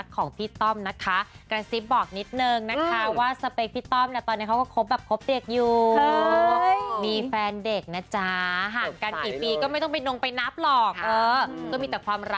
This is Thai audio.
สองคนนี้สเปครักเด็กเหมือนกันนะเพิ่งรู้